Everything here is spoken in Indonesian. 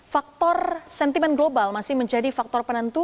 faktor sentimen global masih menjadi faktor penentu